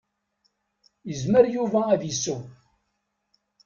Yezmer Yuba ad iseww.